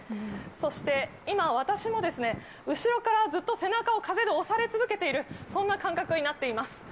そして、今、私の後ろからずっと背中を風で押され続けている、そんな感覚になっています。